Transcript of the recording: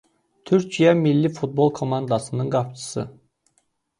Türkiyə milli futbol komandasının qapıçısı.